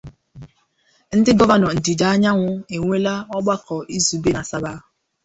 Ndị Gọvanọ Ndịda Anyanwụ Enweela Ọgbakọ Izugbe n'Asaba